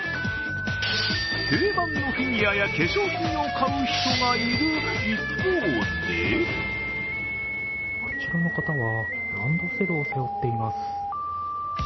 定番のフィギュアや化粧品を買う人がいる一方であちらの方はランドセルを背負っています。